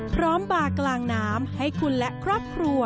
บากลางน้ำให้คุณและครอบครัว